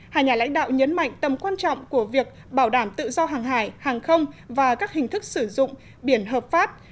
hai nhà lãnh đạo nhấn mạnh tầm quan trọng của việc bảo đảm tự do hàng hải hàng không và các hình thức sử dụng biển hợp pháp